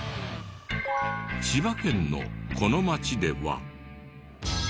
千葉県のこの町では。